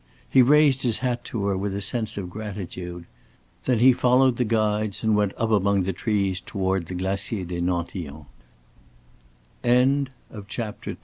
He raised his hat to her with a sense of gratitude. Then he followed the guides and went up among the trees toward the Glacier des